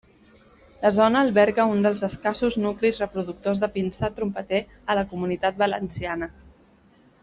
La zona alberga un dels escassos nuclis reproductors de pinsà trompeter a la Comunitat Valenciana.